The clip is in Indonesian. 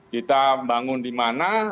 kita bangun di mana